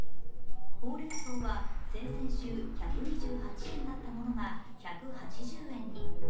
ほうれんそうは先々週、１２８円だったものが１８０円に。